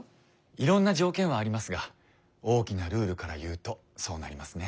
いろんな条件はありますが大きなルールから言うとそうなりますね。